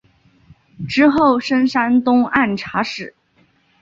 之后升山东按察使。